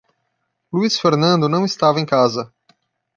Luiz Fernando não estava em casa.